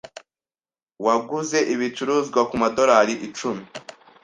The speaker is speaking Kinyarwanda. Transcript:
waguze ibicuruzwa kumadorari icumi.